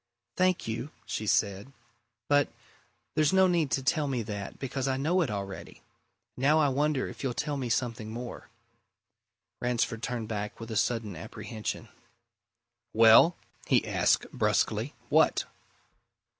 "Thank you," she said. "But there's no need to tell me that, because I know it already. Now I wonder if you'll tell me something more?" Ransford turned back with a sudden apprehension. "Well?" he asked brusquely. "What?"